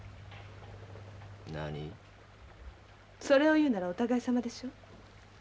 それを言うならお互いさまでしょう。